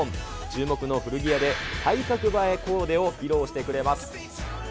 注目の古着屋で、体格映えコーデを披露してくれます。